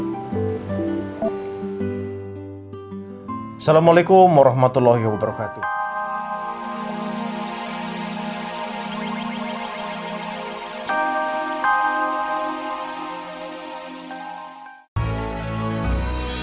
assalamualaikum warahmatullahi wabarakatuh